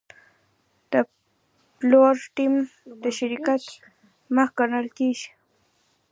د پلور ټیم د شرکت مخ ګڼل کېږي.